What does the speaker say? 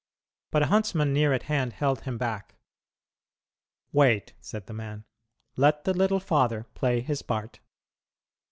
But a huntsman near at hand held him back. "Wait," said the man; "let the 'little father' play his part."